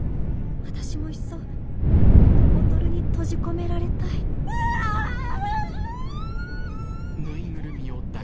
私もいっそこのボトルに閉じ込められたいうわあ！